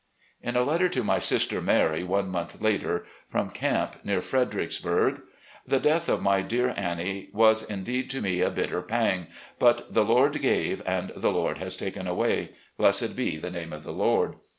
In a letter to my sister Mary, one month later, from "Camp near Fredericksburg": "... The death of my dear Annie was, indeed, to me a bitter pang, but 'the Lord gave and the Lord has taken away: blessed be the name of the Lord.